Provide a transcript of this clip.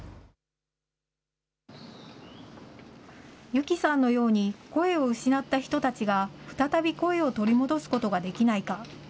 有希さんのように声を失った人たちが再び声を取り戻すことができないか。